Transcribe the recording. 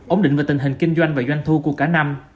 ổn định về tình hình kinh doanh và doanh thu của cả năm